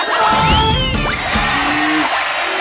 สวัสดีครับ